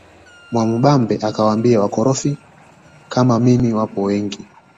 Mwamubambe akamwambia wakorofi kama mimi wapo wengi